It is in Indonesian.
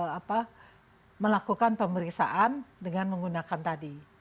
untuk melakukan pemeriksaan dengan menggunakan tadi